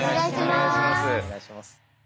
お願いします。